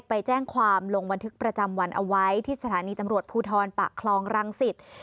ไปแจ้งความลงบันทึกประจำวันเอาไว้ที่สถานีตำรวจภูทรปากคลองรังสิต